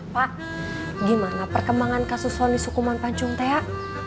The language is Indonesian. pak gimana perkembangan kasus sony sukuman pancung teh